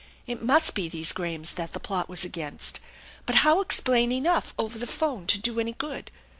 It must be these Grahams that the plot was against. But how explain enough over the phone to do any good